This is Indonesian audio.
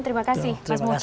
terima kasih mas moki